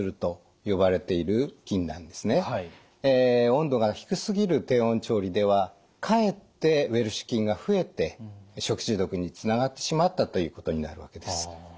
温度が低すぎる低温調理ではかえってウエルシュ菌が増えて食中毒につながってしまったということになるわけです。